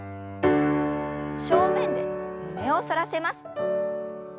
正面で胸を反らせます。